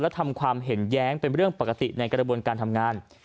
และทำความเห็นแย้งเป็นเรื่องปกติในกระบวนการทำงาน